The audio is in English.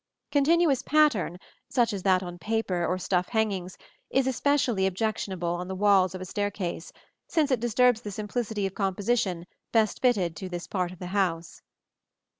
Continuous pattern, such as that on paper or stuff hangings, is specially objectionable on the walls of a staircase, since it disturbs the simplicity of composition best fitted to this part of the house.